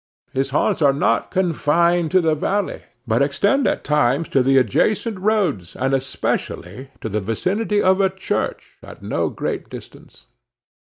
His haunts are not confined to the valley, but extend at times to the adjacent roads, and especially to the vicinity of a church at no great distance.